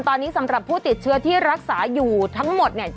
ตอนนี้สำหรับผู้ติดเชื้อที่รักษาอยู่ทั้งหมดเนี่ย